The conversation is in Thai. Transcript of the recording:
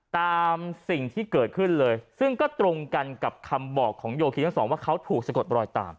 ตามสิ่งที่เกิดขึ้นเลยซึ่งก็ตรงกันกับคำบอกของโยคีทั้งสองว่าเขาถูกสะกดรอยตาม